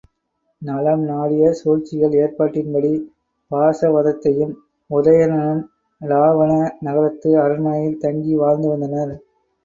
நலம் நாடிய சூழ்ச்சிகள் ஏற்பாட்டின்படி வாசவதத்தையும் உதயணனும் இலாவாண நகரத்து அரண்மனையில் தங்கி வாழ்ந்து வந்தனர்.